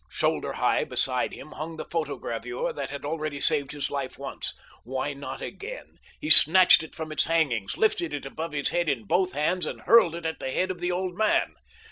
Shoulder high beside him hung the photogravure that had already saved his life once. Why not again? He snatched it from its hangings, lifted it above his head in both hands, and hurled it at the head of the old man.